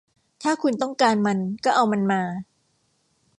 ถ้าคุณต้องการมันก็เอามันมา